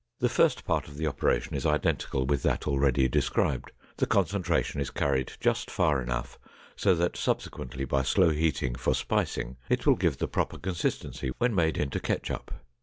The first part of the operation is identical with that already described. The concentration is carried just far enough so that subsequently by slow heating for spicing it will give the proper consistency when made into ketchup.